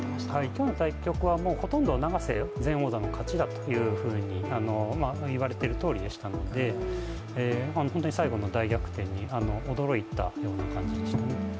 今日の対局はほとんど永瀬前王座の勝ちだと言われているとおりでしたので本当に最後の大逆転に驚いたような感じでした